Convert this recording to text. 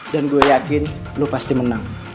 dan gue yakin lo pasti menang